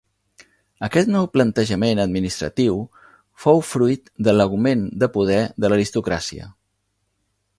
Aquest nou plantejament administratiu fou fruit de l'augment de poder de l'aristocràcia.